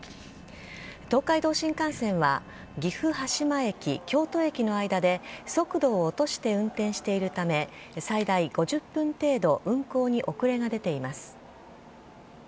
東海道新幹線は岐阜羽島駅・京都駅の間で速度を落として運転しているため、最大５０分程度運行に遅れが出ています。